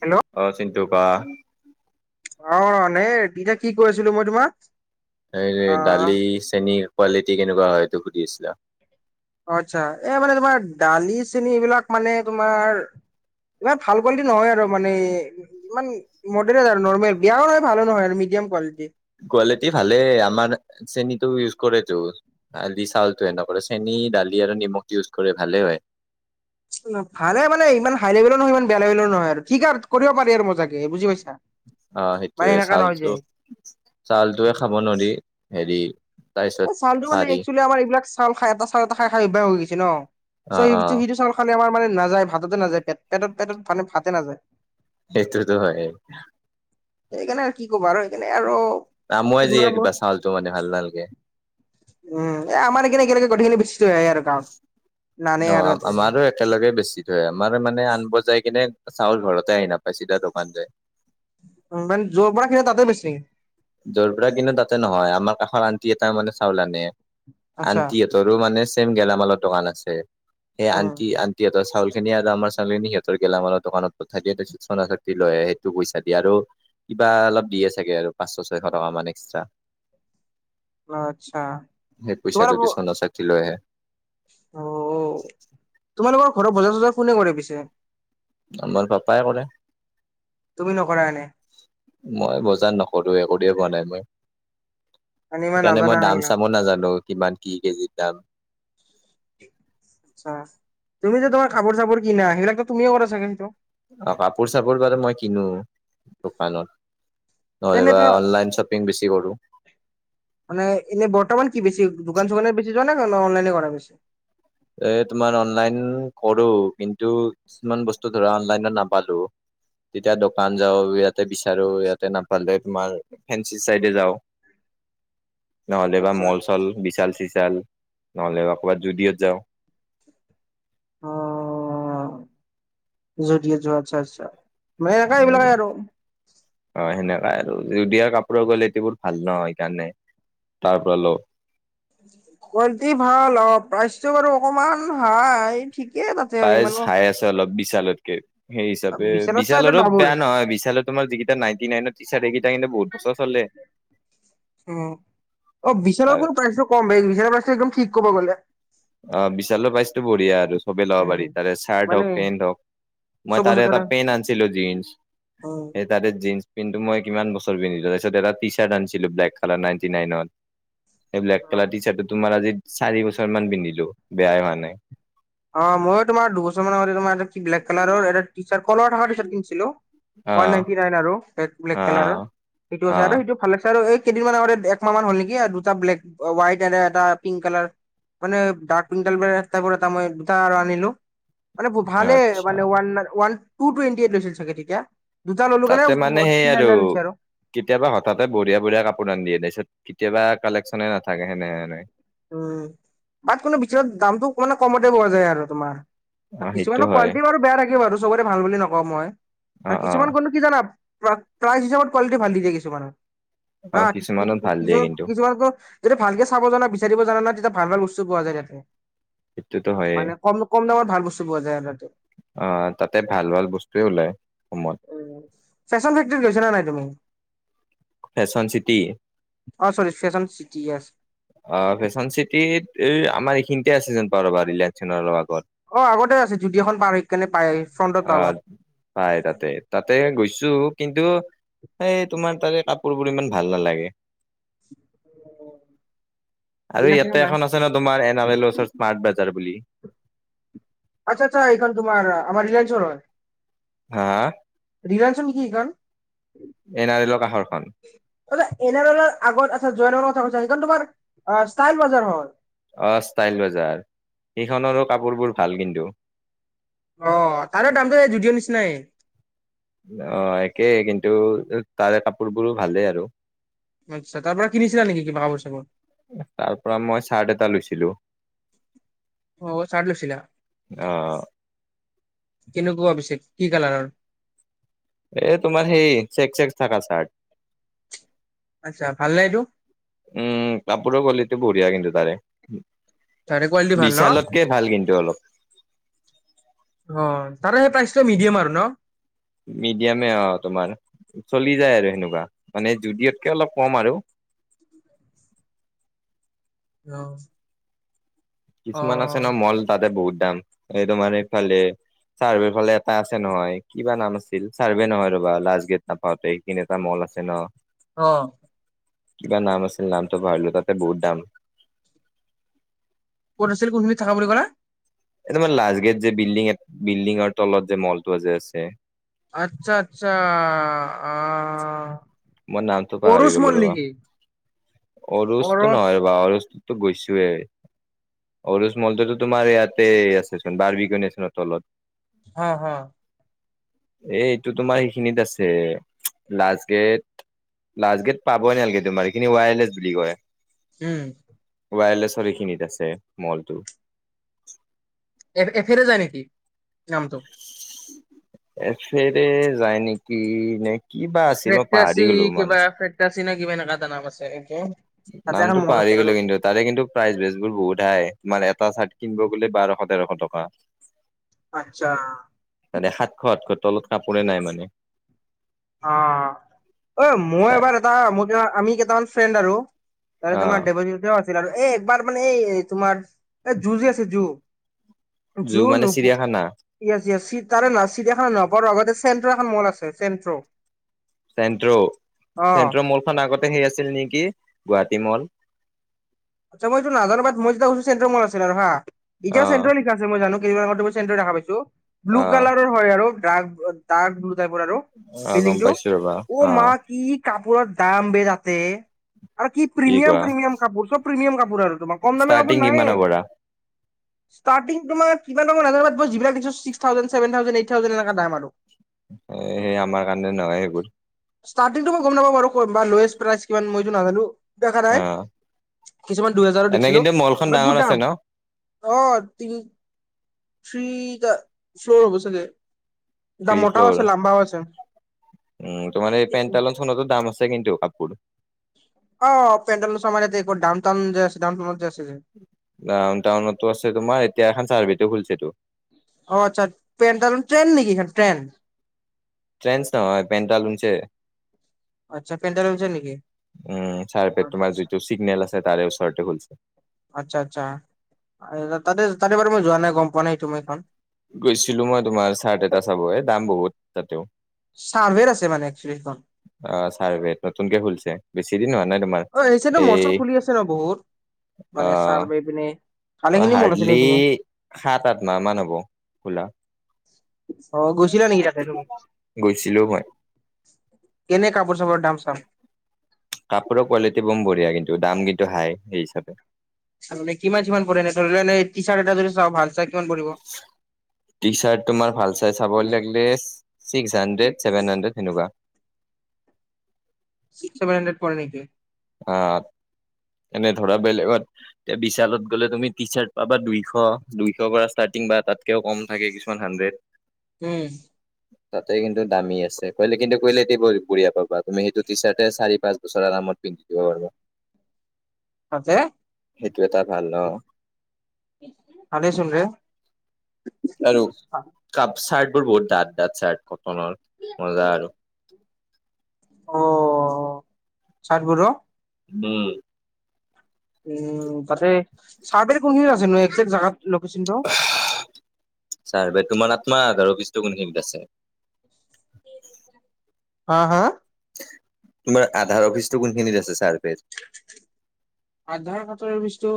Hello আহ চিনটুকা অ নে তেতিয়া কি কৰিছিলো মই তোমাক [unintelligible] এই অ দালি চেনীৰ কোৱালিটি কেনেকুৱা হয় এইটো সুধি আছিলা? আচ্ছা এই মানে তোমাৰ দালি চেনি এইবিলাক মানে তোমাৰ। ইমান ভাল কোৱালিটি নহয় আৰু মানে ইমান মডেৰেট আৰু নৰ্মেল বিয়াও নহয় ভালো নহয় আৰু চেম কালিটি কোৱালিটি ভালে আমাৰ চেনটো ইউজ কৰেতো আ চাউলতো এনেক চেন, দালি, আৰু নিমখ, ইউজ কৰি ভালে হয় [inaudible] ভালে মানে ইমান হাই লেভেলৰ নহয় ইমান বেয়া লেভেলৰ নয় আৰু ঠিক আৰু কৰিব পাৰি আৰু মজাকে স বুজি পাইছো। অ সেইটয়ে চউালটো ছউালটোৱে খাব নোৱাৰি হেৰি তাৰপিছত এই চালটো মানে পাৰি একচুৱেলি আমাৰ এইবিলাক চাল খ এটা চাল এটা খাই খাই অভ্যাস হৈ গৈছে ন। অ চ' অ সেইটো সেইটো চাউল খাল আমাৰ মানে নাযায় ভাততে নাযায় পেট পেটত পেটত মানে ভাতে নাযায়। ইেইটোটো হয়। সেইকাৰণে আৰু কি কবা আৰু সেইকাৰণে আৰু আমুৱাই যিয়ে মাহ ম কিবা চাউলটো মানে ভাল নালাগে উম আমাৰ এইখনে কেলেগে নানে অ আৰু ইয়াতে আৰু। আমাৰো একেলগে বেছি থয় আমাৰ মানে আন বজাই কিনে চাউল ঘৰতে আহি নাপাইছিলা দোকানটোৱে উম, মানে যৰ পৰা খিন তাতে বেচি নেকি? যৰ পৰাৰা কিন্তু তাতে নহয় আমাৰ কাষৰ আণ্টি এটা মানে চাউল আনে। আচ্ছা আন্টিহঁতৰো মানে চেইম গেলামালৰ দোকান আছে সেই উম, আণ্টি-আণ্টিহঁতৰ চাউল সেইখিনি আৰু আমাৰ সিহঁতৰ গেলামালৰ দোকানত প‌ইচা দিয়ে তাৰ পিছত শনন-চক্তি লৈ আহে সেইটো পইচা দি আৰু কিবা অলপ দিয়ে চাগে আৰু পাঁচশ-ছয়শ, টকামান এক্সট্ৰা। আচ্ছা সেই তোমাৰ পইচাটো দি চনা-চা লৈ আহে। অ তোমালোকৰ ঘৰ বজাৰ-চজাৰ কোনে কৰে পিছে? আমাৰ পাপাই কৰে। তুমি নকৰা এনে মই বজাৰ নকৰো। আৰু একো দিয়ে পোৱা নাই মই। মানে ইমান সেইকাৰণে নাজানা মই আৰু এইবিলাক দাম-চামো নাজানো কিমান কি কেজিৰ দাম? আচ্ছা। তুমি যে তোমাৰ কাপোৰ চাপোৰ কিনা সেইবিলাকতো তুমিয়ে কৰা চাগে সেইটো? অ কাপোৰ-চাপোৰ বাৰু মই কিনো দোকানত। এনে নহলেবা ধৰ অনলাইন শ্বপিং, বেছি কৰোঁ। মানে এনেই বৰ্তমান কি বেছি, দোকান-চোকানেই বেছি যোৱা নে অনলাইনে কৰা বেছি? এ তোমাৰ অনলাইন কৰো, কিন্তু কিছুমান বস্তু ধৰা অনলাইনত নাপালো তেতিয়া দোকান যাওঁ, ইয়াতে বিচাৰো ইয়াতে নাপালে তোমাৰ ফেঞ্চি চাইডে যাওঁ। [inaudible] নহ'লে বা আচ্ছা মল-চল, বিশাল-চিশাল নহলে বা ক'ৰবাত জুডিঅত যাওঁ। অঁ! জুডিঅ যোৱা আচ্ছা-আচ্ছা। মানে এনেকা এইবিলাকেই আৰু। প্ৰায় আৰু জুদিঅৰ কাপোৰৰ কোৱালিটিবোৰ ভাল নহয় সেইকাৰণে তাৰ পৰা লওঁ। কোৱালিটি ভাল অঁ প্ৰাইচটো বাৰু অকণমান হাই। ঠিকেই তাতে আৰু প্ৰাইজ ইমানো হাই আছে অলপ বিছালতকে। সেই হিচাপে বিশালত চাই এইটো বিশালৰো ডাবুল বেয়া নহয় বিশালত তোমাৰ যিকেইটা নাইনটি নাইন টিচাৰ্ট সেইকেইটা কিন্তু বহুত বছৰ চলে। উম! অ বিশালৰ কিন্তু প্ৰাইজ কম এই বিশালৰ প্ৰাইজটো একদম ঠিক। কব গলে। অ বিশালৰ পাইজটো বঢ়িয়া আৰু। চবে ল'ব উম পাৰি তাৰে চাৰ্ট মানে হওক, পেণ্ট হওক, মই চব বস্তু তাৰে এটা তাতে পেণ্ট আনিছিলো জিনশ। উম এই তাতে জীনছ পেণ্টো মই কিমান বছৰ পিন্ধিলো, তাৰপিছত এটা টিচাৰ্ট আনিছিলো ব্লেক কালাৰ নাইনটি নাইনত। এই ব্লেক কালাৰ টিচাৰ্ট তোমাৰ আজি চাৰিবছৰমান পিন্ধিলো বেয়াই হোৱা নাই। অ মইয়ো তোমাৰ দুবছৰমান আগতে তোমাৰ এটা কি ব্লেক কালাৰ এটা টিচাৰ্ট কলাৰ থকা টিচাৰ্ট কিনিছিলো। অ ওৱান নাইনটি নাইন আৰু ব্লেক অ কালাৰৰ সেইটো অ আছে আৰু সেইটো ভাল লাগিছে আৰু এই কেইদিনমান আগতে একমাহমান হ'ল নেকি আৰু দুটা ব্লেক, হোৱাইট এনে এটা পিংক কালাৰ মানে ডাৰ্ক টাইপৰ মই দুটা আৰু আনিলো মানে ভালে আচ্ছা মানে ওৱান-ওৱান টু টুৱেণ্টি এইট লৈছিল চাগে তেতিয়া? দুটা ললো কাৰণে তাতে মানে সেই থ্ৰী নাইন আৰু নাইন হৈছে কেতিয়াবা হঠাতে বঢ়িয়া-বঢ়িয়া কাপোৰ আনি দিয়ে তাপিছত কেতিয়াবা কালেকশ্যনে নাথাকে সেনে সেনে। উম! তাত কোনো বিশালত দামটো মানে কমতে পোৱা যায় আৰু তোমাৰ। অ সেইটো কিছুমানৰ হয় কোৱালিটি বাৰু বেয়া থাকে বাৰু চবৰে ভাল বুলি নকওঁ মই অ আৰু অ কিছুমান কোৱালিটি কি জানা? প্ৰাই-প্ৰাইজ হিচাপত কোৱালিটি ভাল দি দিয়ে কিছুমানে অ হা কিছুমানত ভাল দিয়ে কিন্তু কিছু-কিছুমান ক যদি ভালকে চাব জানা বিচাৰিব জানা ন তেতিয়া ভাল-ভাল বস্তু পোৱা যায় তাতে, সেইটোতো মানে কম-কম দামত ভাল বস্তু পোৱা যায় আৰু তাতে। আহ! তাতে ভাল-ভাল বস্তুৱে ওলায়। অসমত উম ছেশ্বন ফেক্টৰীত গৈছা নাই তুমি? ফেশ্বন চিটি অ চৰি ফেচন চিটি অ ফেশ্বন চিটিত এই আমাৰ এইখিনিতে আছে যেন পাওঁ ৰবা ৰিলায়ঞ্চনৰ অ আগতে আছে জুদিঅখন পাৰ হৈ কেনে পায় ফ্ৰণ্টত পাবা। অ' পাই তাতে-তাতে গৈছো কিন্- কিন্তু এই তোমাৰ তাৰে কাপোৰবোৰ ইমান ভাল নালাগে। [unintelligible] আৰু কিনাকিনা ইয়াতে নাই এখন আছে ন তোমাৰ এনাললৰ ওচৰত স্মাৰ্ট বজাৰ বুলি। আত্চ্ছা আত্চ্ছা এইখন তোমাৰ আমাৰ ৰিলায়ন্সৰ হয়। হা ধিৰাঞ্চন নেকি এইখন এনাৰেলৰ কাষৰখন। তই যে এনাৰলৰ আগত আছে জয়নৰৰ কথা কৈছা। খন তোমাৰ ষ্টাইল বজাৰ হয়। অ ষ্টাইল বজাৰ সেইখনৰো কাপোৰবোৰ ভাল কিন্তু অ তাৰে দামটো যুদিঅ নিচিনাই অ একেই কিন্তু তাৰে কাপোৰ বোৰো ভালেই আৰু আচ্ছা তাৰ পৰা কিনিছিলা নেকি কিবা কাপোৰ চাপোৰ তাৰ পৰা মই চাৰ্ট এটা লৈছিলো। অ চাৰ্ট লৈছিলা। অ' কেনেকুৱা পিছে কি কালাৰৰ। এ তোমাৰ সেই চেক চেক থাকা চাৰ্ট। আচ্ছা ভাল নে এইটো উম কাপোৰৰ কোৱালিটি বঢ়িয়া কিন্তু তাৰে তাৰে কোৱালিটি ভাল ন বিশালতকে ভাল কিন্তু অলপ। অ তাৰে সেইটা ষ্টৰ মিডিয়াম আৰু ন। মিডিয়ামে অ তোমাৰ চলি যায় আৰু সেনেকুৱা মানে জুডিঅতকে অলপ কম আৰু আহ কিছুমান আছে ন মল তাতে বহুত দাম এই তোমাৰ এইফালে চাৰ্ভেৰ ফালে এটা আছে নহয় কিবা নাম আছিল চাৰ্ভে নহয় ৰবা লাষ্ট গেট নাপাওঁতে এইদিন এটা মল আছে ন। অ কিবা নাম আছিল নামটো পাহৰিলোঁ তাতে বহুত দাম। কত আছিল কোনখিনিত থাকা বুলি কলা। এ তোমাৰ লাষ্ট গেট যে বিল্ডিং, বিল্ডিঙৰ তলত যে মলটো যে আছে। আত্চ্ছা আত্চ্ছা অ মই নামটো পাহৰি গলো ৰবা। অৰোজটো অৰস নহয় ৰবা অৰজটোতো গৈছোৱেই অৰোজ মলটোতো তোমাৰ ইয়াতে আছে চোন বাৰ বিঘনছ তলত হা হা এ এইটো তোমাৰ সেইখিনিত আছে লাষ্ট গেট লাষ্ট গেট পাবই ন নালাগে তোমাৰ এইখিনি ৱায়াৰলেছ বুলি কয়। উম ৱায়াৰলেছৰ এইখিনিত আছে মলটো এফেৰে যায় নেকি নামটো এফেৰে যায় নেকি নেক্স ফে কিবা ফেকি নে কিবা এনেকা এটা নাম আছে [unintelligible] তাতে এখন নামতটো মল আছে পাহৰি আৰু গ'লো কিন্তু তাৰে কিন্তু প্ৰাইজ বেচ বোৰ বহুত হাই [unintelligible] তোমাৰ এটা চাৰ্ট কিনব গোলে বাৰশ তেৰশ টকা আচ্ছা তে সাতশ আঠশ তলত কাপোৰে নাই মানে [unintelligible] অ মই এবাৰ এটা মোৰ আমি কেইটামান ফ্ৰেণ্ড আৰু তাৰে অ তোমাৰ ডে বজি য আ [unintelligible] [unintelligible] ছিল আৰু এ একবাৰ মানে এই তোমাৰ এই জুজি আছে জু [unintelligible] জু জ মানে নব চিৰিয়াখানা জচি [unintelligible] তাৰে ন চিৰিয়াখানা নব লগতে চেন্ট্ৰ এখন মল আছে চেন্ট্ৰ' [unintelligible] চেন্ট্ৰ অ চেণ্ট্ৰ মলখন আগতে সেই আছিল নেকি [unintelligible] গুৱাহাটী মল আচ্ছা মই এইটো নানাবাদ মই যেতিয়া কছো চে মল আছিল আৰু হা [unintelligible] অ এতিয়া চেণ্টৰ লিখা আ মই জানো কেই আত তমই চেণ্টৰ দেখা পাইছো ব্লু অ কালাৰৰ হয় আৰু [unintelligible] ড্ ডাৰ্ক ব্লো টাইপৰ আৰু অ বিল্ডিং গম টো পাইছো ৰবা অ মা কি [unintelligible] কাপোৰৰ দাম বেলাকে আৰু কি প্ৰিমিয়াম প্ৰিমিয়াম কাপোৰ চব প্ৰিমিয়াম কাপোৰ আৰু তোমাৰ কম দামৰ ষ্টাৰ্টিং কাপোৰ কিমানৰ নাইয়ে পৰা ষ্টাৰ্টিং তোমাৰ কিমান দাম মই নাজানো মই যিমান দেখিছো ছিক্স থাউ যেন চেভেন থাউযেন গেট থাউজেণ্ড এ দাম আৰু সেই আমাৰ কাৰণে নহয় সেইবোৰ ষ্টাৰ্টিংটো মই গম নাপা বাৰু ল'য়েষ্ট প্ৰাইচ কি মই যো নাজানো দেখা অ নাই কিছুমান দুইহেজাৰো এনে দিছিলো কিন্তু মলখন বাট ডাঙৰ বহুত আছে দাম ন অ তিনি ফ্ৰীটা ফ্ল'ৰ হ'ব চাগে দা থ মোটাও ফ্লৰ আছে লাম্বাও আছে। উম তোমাৰ পেটালন শোনতৰ দাম আছে ছেকেণ্ড কাপোৰ অ পেণ্ডলছ মাৰ ইয়াতে ডাউন টাউন যে আছে ডাউন টাউত যে আছে যে ডাউন টাউনতো আছে তোমাৰ এতিয়া এখন চাৰ্ভিট খুলছেতো অ আচ্ছা ন ট্ৰেন নেকি এইখন ট্ৰেন টেন্ছ নহয় পেণ্টালুনছে আচ্ছা পেণ্টালুন ট্ৰেন নেকি? উম চাৰ পে তোমাৰ আচ্ছা যিটো চিগনেল আছে তাৰে ওচৰতে খুলিছে আচ্ছা আচ্ছা তাতে তাতে বাৰ মই যোৱা নাই গম পোৱা নাই তুমি এইখন গৈছিলো মই তোমাৰ চাৰ্ট এটা চাব এ দাম বহুত তাতেও চাৰ্ভেৰ আছে মানে এক্সুয়েলি এই খন অ চাৰভেত নতুনকে খুলিছে বেছি দিন নহয় আছেতো মৰ্চল খুলি আছে ন বহুত মানে চাৰভে পিনে অ ভালেখিনি মল আছিলে হাৰ্ডলি সেইপিনে সাত আঠ মাহ মান হব খোলা অ গৈছিলা নেকি তাতে তুমি গৈছিলো মই এনে কাপোৰ চাপোৰ দাম চাম কাপোৰৰ কোৱালিটি বম বঢ়িয়া কিন্তু দাম কিন্তু হাই সেই হিচাপে কিমান কিমান পৰে এনে ধৰি ল টি চাৰ্ট এটা যদি চাওঁ ভাল চাওঁ কিমান পৰিব টি চাৰ্ট তোমাৰ ভাল চাই চাব লাগিলে ছিক্স হাড্ৰেড চছেভেন হাণ্ড্ৰেড সেনেকুৱা ছিক্স চেভেন হাণ্ড্ৰেড পোৱা যায় অ এনে ধৰা বেলেগত এতিয়া বিশালত গ'লে তুমি টি চাৰ্ট পাবা দুইশ দুইশ কৰা ষ্টাৰ্ট কিবা তাতকেও কম থাকে কিছুমান হানড্ৰেড [unintelligible] উম তাতে কিন্তু দামী আছে কলে কিন্তু কলে এতিয়া বঢ়িয়া পাবা তুমি সেইটো টি চাৰ্ট চি পাঁচ বছৰ আৰামত পিন্ধি তাতে [unintelligible] সেইটো এটা ভাল ন [unintelligible] আৰু কাপ চাৰ্ট বোৰ বহুত ডাত ডাত চাৰ্ট কটনৰ মজা আৰু অ চাৰ্ট বোৰ [unintelligible] উম তাতে চাৰ বট কোনখিনি আছে ন একজেক্ট জেগাত। ছাৰ বা তোমাৰ আত্মাৰত আৰু পিছত সেই টো কেনেকে গম পাইছে। হা হা। তোমাৰ আধাৰ অফিচটো কোন ফালে আছে ছাৰফে? আধাৰ ফেক্ অফিচটো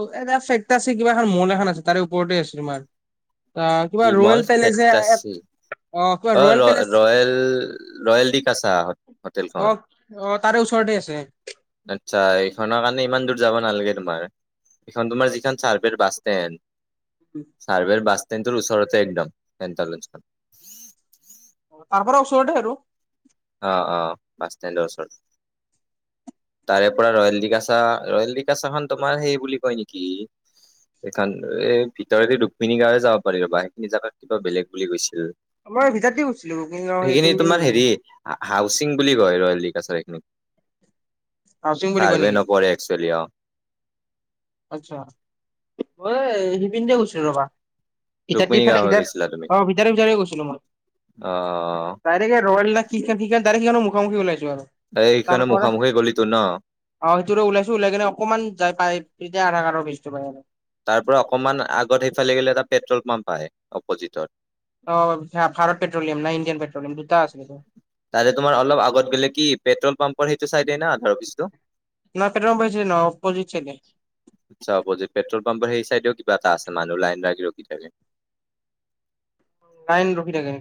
আছে কিবা এ মল এখন আছে তাৰে ওপৰতে আছে তোমাৰ। অ কি কিবা মল ৰয়েল পেলেচ। ফেক্টাচি কিবা অ ৰয়েল ৰয় পেলেচ ৰয়েল ৰয়েল দিক আছা আহত। অ হোটেলখন অ তাৰে ওচৰতে আছে আচ্ছা এইখনৰ কাৰণে ইমান ন তম তোমাৰ যি কিছুমান চাৰভে বাষ্টোৰ তেটটৰ উওচৰতে একদম [unintelligible] চ আৰু অ অ বাছ ষ্টেণ্ডৰ ওচৰত। তাৰে পৰা ৰয়েল ডিকাাচা ৰয়েল ডিকাচা খন তোমাৰ সেই বুলি কয় নেকি? সেইান এই ভিতৰতে ৰুক্মিণী গাঁৱে যাব পাৰি ৰব সেইখিনি জোগাত কিবা বেলেগ বুলি কৈছিল। মই ভিতৰত দি গৈছিলো কিন্তু আও সেইখিনি হেপিনে দি তোমাৰ হেৰি গলো- হাউচিং বুলি কয় ৰয়েলিকাছাৰ এইখিনিক। হাউচিং বুলি কয় ছাৰ্ভে নেকি নপৰে একচোৱেলি অ। আচ্ছা হিপিন দি গৈছিলোঁ ৰবা। ৰুক্মিণী গাঁৱলৈ গৈছিলা তুমি অ ভিতাৰাৰ গৈছিলো মই। অ তাৰে ৰয়েল না কি কি ডাইৰেক্ট সেইখন মুখামুখি ওলাইছে। তাৰ এইখনৰ পৰা মুখামুখি গলিটো ন অ সেইটোৰে ওলাইছো ওলাই কিনে অকমান যাই পাই তেতিয়া আধাৰ কাতৰ ব্ৰিজ তেওঁ পাই গলোঁ। তাৰ পৰা অকনমান আগত সেইফালে গ'লে এটা পেট্ৰল পাম্প আহ অপজিতত। অ ভাৰত পেট্ৰলিয়াম নাই ইণ্ডিয়ান পেট্ৰলিয়াম দুটা আছিলে টো। তাল তোমাৰ অলপ আগত গলে কি পেট্ৰল পাম্পৰ সেইটো চাইদে না অফিচটো। নকে বাইছছে ন। অপজিত চাইডে চাব যে পেট্ৰল পাম্পাৰ সেই চাই তও কিবা এটা আছে মানুহ লাইন লাগিলও কি থাকে। আইন ৰখি থাকে।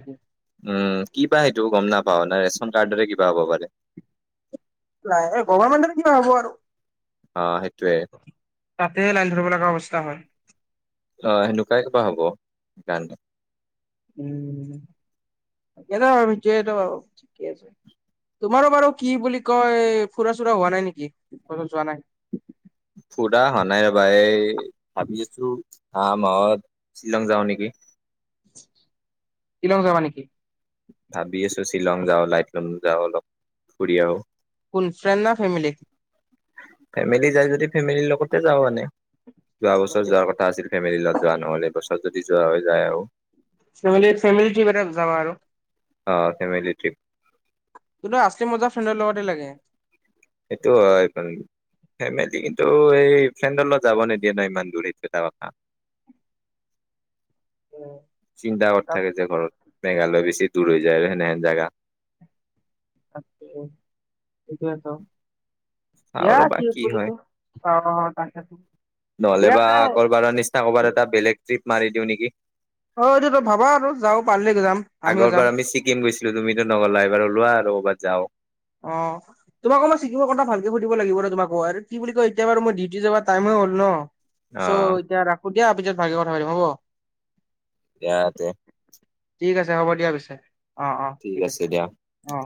উম কি বা সেইটো গম নাপাও ন ৰেচন কাৰ্ডৰে কিবা হ'ব পাৰে। নাই এই গভমেণ্টৰ কিবা হ'ব আৰু। অ সেইটোয়ে তাতে লাইন ধৰিব লগা অৱস্থা হয়। অ সেনেকুৱাই কিবা হ'ব সেইকাৰণে। উটাটো ঠিকে আছে। তোমাৰো বাৰু কি বুলি কয় ফুৰা চুৰা হোৱা নাই নেকি? কতো যোৱা নাই। ফুৰা হোৱা নাই এই ভাবি আছো অহা মাহত শ্বিলং যাও নেকি? [unintelligible] কিলং যাবা নেকি? ভাবি আছো শ্বিলং যাওঁ লাইট লুন যাওঁ অলপ ফুৰি আহো। কোন ফ্ৰেণ্ড না ফেমিলি। ফেমিলি যাই যদি ফেমিলিৰ লগতে যাওঁ মানে যোৱা বছৰ যোৱাৰ কথা আছিল ফেমিলি লগত যোৱা নহ'লে বছৰ যদি যোৱা হৈ যায় আৰু মিল য ব যাব আৰু অ ফেমিলি ট্ৰিপ। তোৰ আছলি মজা ফ্ৰেণ্ডৰ লগতে লাগে। টো এই ফ্ৰেণ্ডৰত যাব নিদিয়ে ন ইমান দূৰিত তাৰথা। চিন্তা কৰ তব থাকে যে ঘৰত। মেঘালয় বেছি দূৰ হৈ যায় আৰু সেনেহেন জাগা। তাকে কোৱে চাওঁ ইয় ৰ'বা কি বুলিল হয় ক। অ তাকেটো। নহলে বা আগৰবাৰৰ নিচিনা কবাৰ এটা বেলেগ ট্ৰিপ মাৰি দিওঁ নেকি? অ এইটোতো ভাবা আৰু যাও পাৰিলকে যাম আমিও আগৰ বাৰ যাম। আমি ছিকিম গৈছিলো তুমিতো নগলাই এবাৰো ওলোৱা আৰু'ৰবাত যাও। অ তোমাক অমান শিকিব কথা ভালকে সুধিব লাগিব ৰ তোমাকো আৰু কি বুলি কয় এতিয়া বাৰু মই ডিউটি যাব টাইমো হল ন অ চৌ হ'ল ন চ' এতিয়া ৰাখো দিয়াপিছত ভালি কথা পাতিম হ'ব। এয়াতে। ঠিক আছে হ'ব দিয়া পিছে, অ অ ঠিক আছে অ।